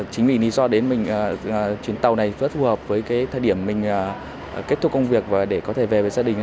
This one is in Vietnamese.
chính vì lý do đến mình chuyến tàu này rất phù hợp với thời điểm mình kết thúc công việc và để có thể về với gia đình